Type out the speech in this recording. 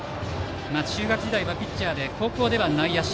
中学時代はピッチャーで高校では内野手。